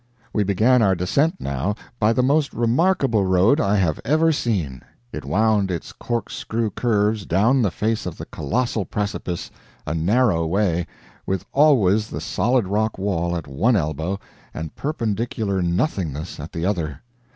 We began our descent, now, by the most remarkable road I have ever seen. It wound its corkscrew curves down the face of the colossal precipice a narrow way, with always the solid rock wall at one elbow, and perpendicular nothingness at the other.